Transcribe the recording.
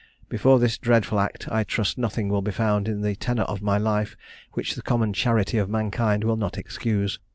"Before this dreadful act I trust nothing will be found in the tenor of my life which the common charity of mankind will not excuse.